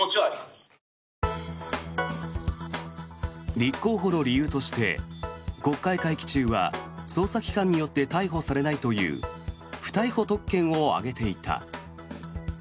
立候補の理由として国会会期中は捜査機関によって逮捕されないという不逮捕特権を挙げていた。